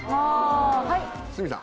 鷲見さん。